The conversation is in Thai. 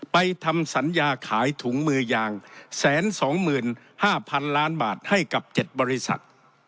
ไปทำสัญญาขายถุงมือยางแสนสองหมื่นห้าพันล้านบาทให้กับเจ็ดบริษัท